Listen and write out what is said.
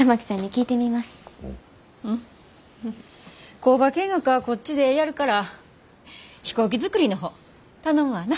工場見学はこっちでやるから飛行機作りの方頼むわな。